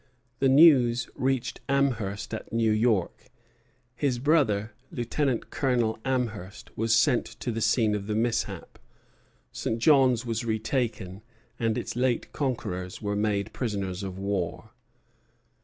The news reached Amherst at New York; his brother, Lieutenant Colonel Amherst, was sent to the scene of the mishap. St. John's was retaken, and its late conquerers were made prisoners of war.